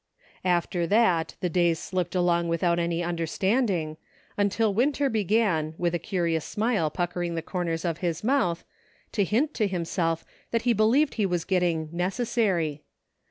After that the days slipped along without any understanding, until Winter began, with a curious smile puckering the corners of his mouth, to hint to himself that he believed he was getting " neces sary."